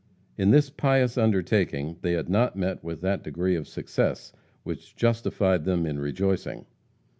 In this pious undertaking they had not met with that degree of success which justified them in rejoicing.